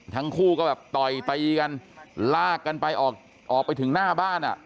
ทั้งคู่ก็แบบต่อยตีกันลากกันไปออกไปถึงหน้าบ้านอ่ะ